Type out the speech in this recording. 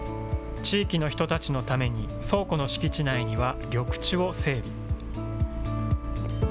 地域の人たちのために倉庫の敷地内には緑地を整備。